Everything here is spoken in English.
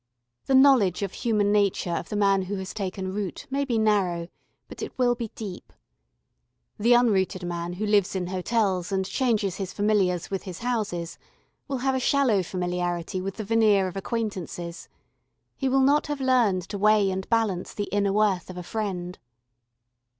The knowledge of human nature of the man who has taken root may be narrow, but it will be deep. The unrooted man who lives in hotels and changes his familiars with his houses, will have a shallow familiarity with the veneer of acquaintances; he will not have learned to weigh and balance the inner worth of a friend.